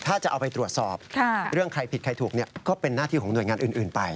ถ้าจะเอาไปตรวจสอบเรื่องใครผิดใครถูกก็เป็นหน้าที่ของหน่วยงานอื่นไป